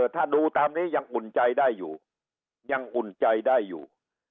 ถ้าดูตามนี้ยังอุ่นใจได้อยู่ยังอุ่นใจได้อยู่